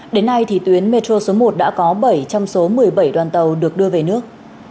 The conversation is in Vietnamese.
đến nay tuyến metro số một đã có bảy trong số một mươi bảy đoàn tàu được đưa về nước